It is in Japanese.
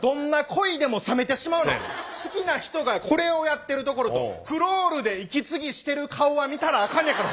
好きな人がこれをやってるところとクロールで息継ぎしてる顔は見たらあかんやから。